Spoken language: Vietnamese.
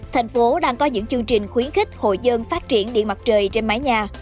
thành phố đang có những chương trình khuyến khích hội dân phát triển điện mặt trời trên mái nhà